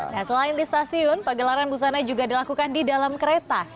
nah selain di stasiun pegelaran busana juga dilakukan di dalam kereta